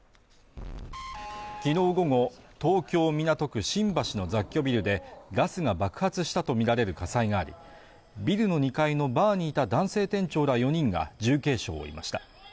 昨日午後、東京港区新橋の雑居ビルでガスが爆発したとみられる火災があり、ビルの２階のバーにいた男性店長ら４人が重軽傷を負いました。